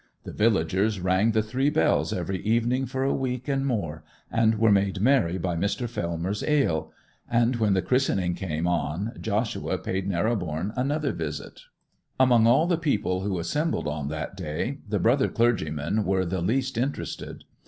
The villagers rang the three bells every evening for a week and more, and were made merry by Mr. Fellmer's ale; and when the christening came on Joshua paid Narrobourne another visit. Among all the people who assembled on that day the brother clergymen were the least interested.